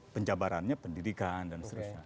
pencabarannya pendidikan dan seterusnya